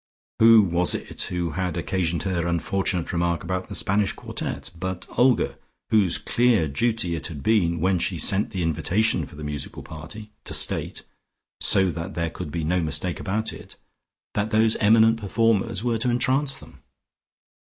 Who was it who had occasioned her unfortunate remark about the Spanish Quartet but Olga, whose clear duty it had been, when she sent the invitation for the musical party, to state (so that there could be no mistake about it) that those eminent performers were to entrance them?